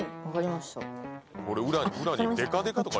分かりました。